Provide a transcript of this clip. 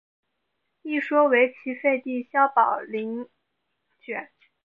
一说为齐废帝萧宝卷陵。